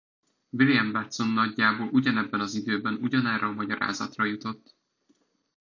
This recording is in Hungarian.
William Watson nagyjából ugyanebben az időben ugyanerre a magyarázatra jutott.